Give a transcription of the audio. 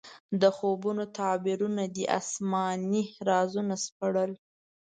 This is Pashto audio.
د خوبونو تعبیرونه دې اسماني رازونه سپړل.